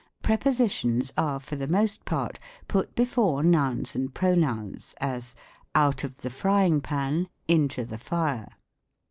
Prepositions are, for the most part, put before nouns and pronouns : as, " out of the frying pan into the fire."